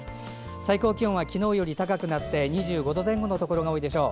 最高気温は昨日より高くなって２５度前後のところが多いでしょう。